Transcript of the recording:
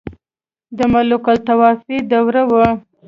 • د ملوکالطوایفي دوره وه.